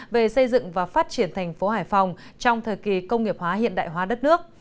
về xây dựng và phát triển thành phố hải phòng trong thời kỳ công nghiệp hóa hiện đại hóa đất nước